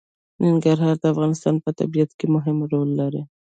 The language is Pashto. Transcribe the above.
ننګرهار د افغانستان په طبیعت کې مهم رول لري.